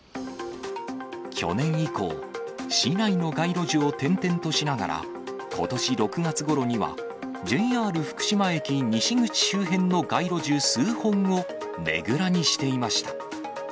去年以降、市内の街路樹を転々としながら、ことし６月ごろには、ＪＲ福島駅西口周辺の街路樹数本をねぐらにしていました。